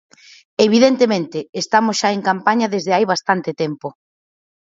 Evidentemente, estamos xa en campaña desde hai bastante tempo.